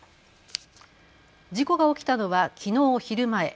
事故が起きたのは、きのう昼前。